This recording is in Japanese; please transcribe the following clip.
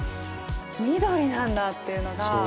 緑なんだっていうのが。